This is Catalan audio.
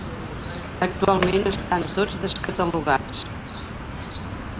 Actualment estan tots descatalogats.